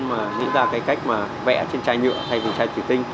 mà nghĩ ra cái cách mà vẽ trên chai nhựa thay vì chai thủy tinh